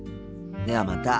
ではまた。